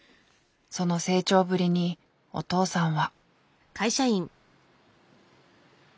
その成長ぶりにお父さんは。